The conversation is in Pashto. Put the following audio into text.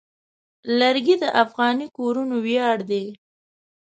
لرګی د افغاني کورنو ویاړ دی.